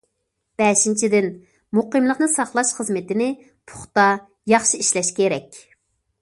بەشىنچىدىن،‹‹ مۇقىملىقنى ساقلاش خىزمىتىنى پۇختا، ياخشى ئىشلەش كېرەك››.